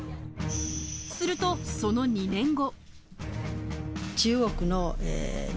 すると、その２年後。